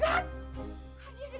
hadiah dari wan jamin